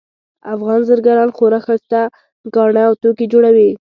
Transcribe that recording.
افغان زرګران خورا ښایسته ګاڼه او توکي جوړوي